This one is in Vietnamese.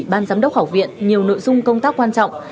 ban giám đốc học viện nhiều nội dung công tác quan trọng